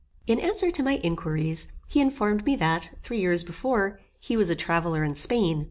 In answer to my inquiries, he informed me that, three years before, he was a traveller in Spain.